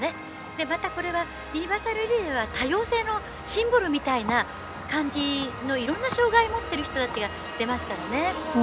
また、ユニバーサルリレーは多様性のシンボルみたいな感じのいろいろな障がいを持っている人たちが出ますからね。